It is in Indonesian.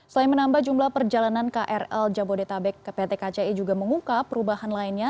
selain menambah jumlah perjalanan krl jabodetabek pt kci juga mengungkap perubahan lainnya